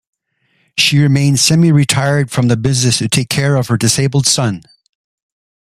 She remained semi-retired from the business to take care of her disabled son.